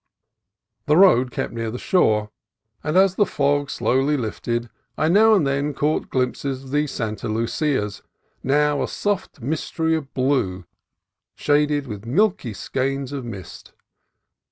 The road kept near the shore, and as the fog slowly lifted I now and then caught glimpses of the Santa Lucias, now a soft mystery of blue shaded with milky skeins of mist.